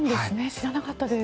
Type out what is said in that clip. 知らなかったです。